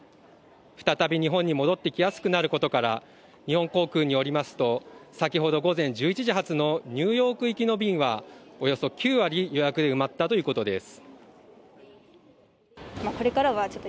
再び日本に戻ってきやすくなることから日本航空によりますと先ほど午前１１時発のニューヨーク行きの便はおよそ９割予約で埋まったということです